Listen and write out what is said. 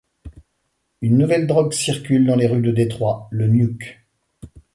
Une nouvelle drogue circule dans les rues de Détroit, le Nuke.